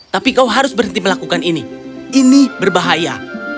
tapi kau harus berhenti melakukan ini ini berbahaya